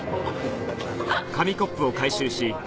あっ。